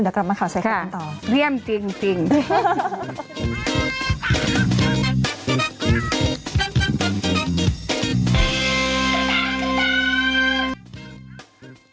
เดี๋ยวกลับมาข่าวเซ็คกันต่อ